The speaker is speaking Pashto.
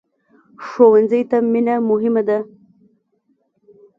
ښوونځی ته مینه مهمه ده